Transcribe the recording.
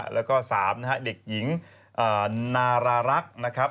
แล้วก็๓นะฮะเด็กหญิงนารารักษ์นะครับ